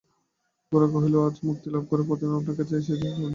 গোরা কহিল, আজ মুক্তিলাভ করে প্রথমেই আপনার কাছে কেন এসেছি জানেন?